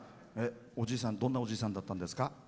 おじいさん、どんなおじいさんだったんですか？